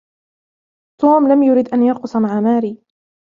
توم لم يرد أن يرقص مع ماري